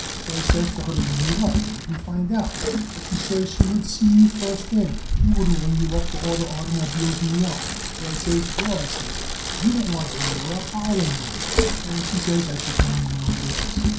So I says for her to ring you up, Abe, and find out. But she says she would see you first in she wouldn't ring you up for all the oitermobiles in New York. So I says, well, I says, if you don't want to ring 'em up I'll ring 'em up; and she says I should mind my own business.